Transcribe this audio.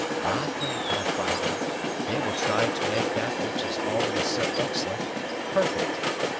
"Not they, Pathfinder; they will try to make that which is already so excellent, perfect.